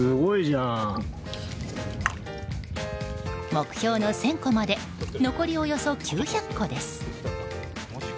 目標の１０００個まで残りおよそ９００個です。